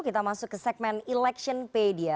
kita masuk ke segmen electionpedia